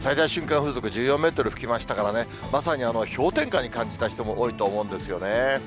風速１４メートル吹きましたからね、まさに氷点下に感じた人も多いと思うんですよね。